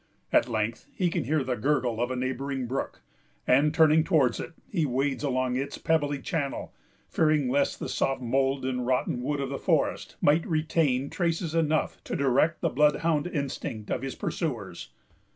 At length, he can hear the gurgle of a neighboring brook; and, turning towards it, he wades along its pebbly channel, fearing lest the soft mould and rotten wood of the forest might retain traces enough to direct the bloodhound instinct of his pursuers.